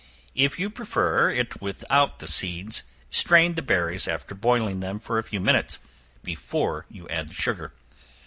If you prefer it without the seeds, strain the berries after boiling them for a few minutes, before you add the sugar.